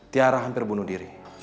tiara hampir bunuh diri